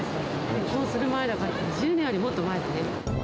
結婚する前だから、２０年よりもっと前だね。